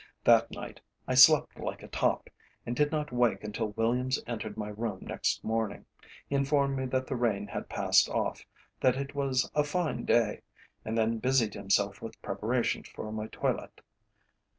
That night I slept like a top, and did not wake until Williams entered my room next morning. He informed me that the rain had passed off, that it was a fine day, and then busied himself with preparations for my toilet.